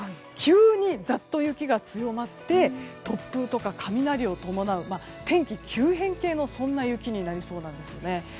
急にざっと雪が強まって突風とか雷を伴う天気急変系の雪になりそうなんですよね。